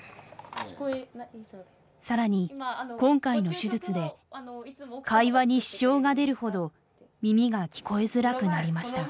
さらに今回の手術で会話に支障が出るほど耳が聞こえづらくなりました。